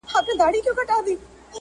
د یوه پستفطرته